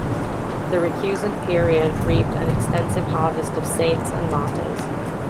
The recusant period reaped an extensive harvest of saints and martyrs.